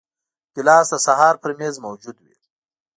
ګیلاس د سهار پر میز موجود وي.